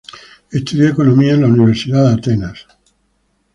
Estudió economía en la Universidad de Atenas.